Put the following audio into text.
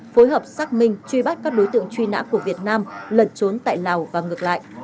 phối hợp xác minh truy bắt các đối tượng truy nã của việt nam lẩn trốn tại lào và ngược lại